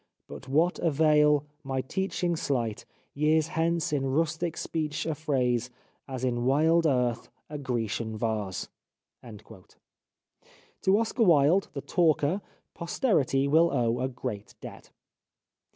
"But what avail my teaching slight ? Years hence in rustic speech, a phrase ' As in wild earth a Grecian vase." To Oscar Wilde, the talker, posterity will owe a great debt.